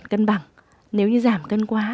cân bằng nếu như giảm cân quá